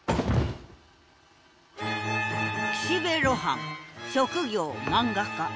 岸辺露伴職業漫画家。